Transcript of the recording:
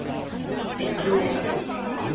立教大学